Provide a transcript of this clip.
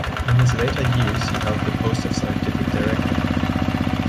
In his later years he held the post of scientific director.